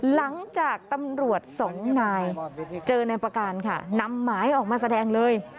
หลังจากตำรวจสองนายเจอนายประการค่ะนำหมายออกมาแสดงเลย